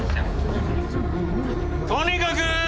とにかく！